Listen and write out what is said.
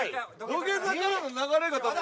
土下座からの流れがダメ